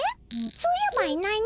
そういえばいないね。